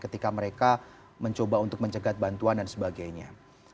ketika mereka mencoba untuk mencegat bantuan dan sebagainya